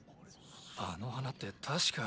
あの花って確か。